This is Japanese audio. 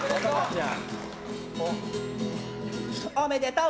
おめでとう！